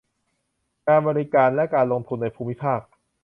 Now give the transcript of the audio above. การบริการและการลงทุนในภูมิภาค